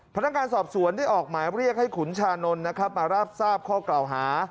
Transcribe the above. พนักงานสอบสวนได้ออกหมายเรียกให้ขุนชานนท์นะครับมารับทราบข้อกล่าวหา